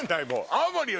青森よ！